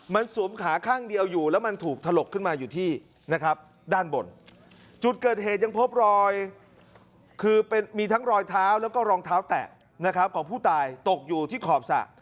มันสวมขาข้างเดียวอยู่แล้วมันถูกถลกขึ้นมาอยู่ที่นะครับด้านบนจุดเกิดเหตุยังพบรอยคือมีทั้งรอยเท้าแล้วก็รองเท้าแตะนะครับของผู้ตายตกอยู่ที่ขอบสระ